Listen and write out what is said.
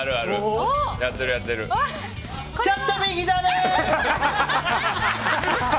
ちょっと右だねー！